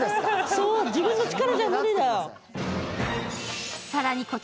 そう、自分の力じゃ無理だよ